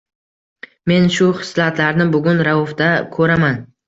Men shu xislatlarni bugun Raufda ko’raman.